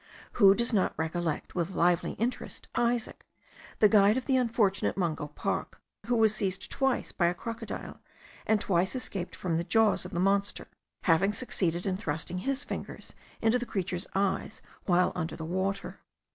Who does not recollect, with lively interest, Isaac, the guide of the unfortunate Mungo Park, who was seized twice by a crocodile, and twice escaped from the jaws of the monster, having succeeded in thrusting his fingers into the creature's eyes while under water.